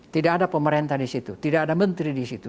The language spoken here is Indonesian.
tidak ada pemerintah di situ tidak ada menteri di situ